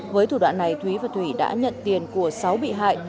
với thủ đoạn này thúy và thủy đã nhận tiền của sáu bị hại